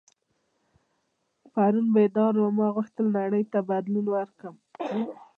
پرون بیدار وم ما غوښتل نړۍ ته بدلون ورکړم.